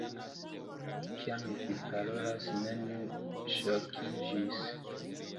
Kiam vi parolis, neniu ŝokiĝis.